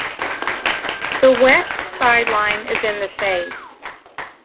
The west sideline is in the shade.